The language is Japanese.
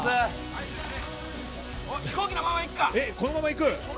このままいく？